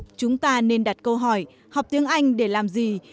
câu hỏi học tiếng anh để làm gì